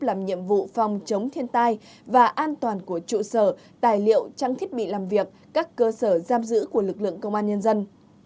làm nhiệm vụ phòng chống thiên tai và an toàn của trụ sở tài liệu trang thiết bị làm việc các cơ sở giam giữ của lực lượng công an nhân dân